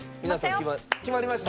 決まりました？